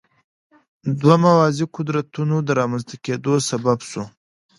دوه موازي قدرتونو د رامنځته کېدو سبب شو.